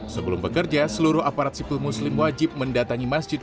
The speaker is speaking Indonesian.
sebelum bekerja seluruh aparat sipil muslim wajib mendatangi masjid